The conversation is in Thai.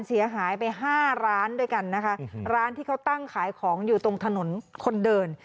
เสียหายไปห้าร้านด้วยกันนะคะร้านที่เขาตั้งขายของอยู่ตรงถนนคนเดิน